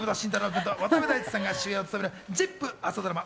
君と渡辺大知さんが主演を務める『ＺＩＰ！』朝ドラマ